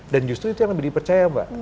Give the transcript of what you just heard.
justru itu yang lebih dipercaya mbak